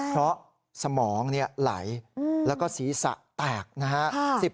เพราะสมองไหลแล้วก็ศีรษะแตกนะฮะ